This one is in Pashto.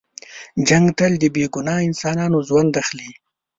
جنګ تل د بې ګناه انسانانو ژوند اخلي.